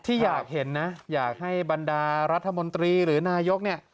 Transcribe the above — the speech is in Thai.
ที่อยากเห็นนะอยากให้บรรดารัฐมนตรีหรือนายกเนี่ย